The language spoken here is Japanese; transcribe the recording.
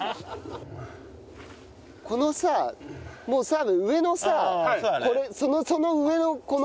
このさもう澤部上のさその上のこの。